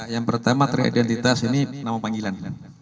yang pertama triidentitas ini nama panggilan